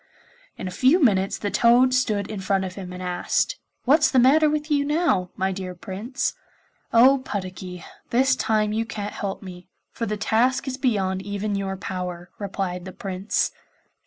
In a few minutes the toad stood in front of him and asked, 'What's the matter with you now, my dear Prince?' 'Oh, Puddocky, this time you can't help me, for the task is beyond even your power,' replied the Prince.